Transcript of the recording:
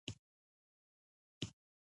رحمت غرڅنی د پښتون ژغورني غورځنګ د کوټي صدر دی.